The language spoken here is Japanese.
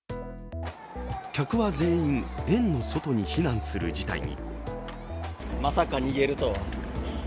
客は全員、園の外に避難する事態に。